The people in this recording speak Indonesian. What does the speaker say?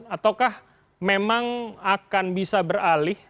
ataukah memang akan bisa beralih